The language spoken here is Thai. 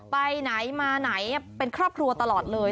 ไปไหนมาไหนเป็นครอบครัวตลอดเลย